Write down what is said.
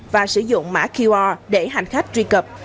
và sử dụng mã qr để hành khách truy cập